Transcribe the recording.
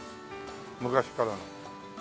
昔からの。